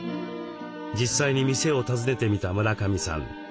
実際に店を訪ねてみた村上さん。